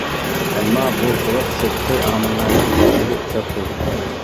ئەمما بۇ ئورۇق سىرتقى ئامىللارنىڭ تەسىرىگە ئۇچراپ تۇرىدۇ.